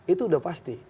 itu sudah pasti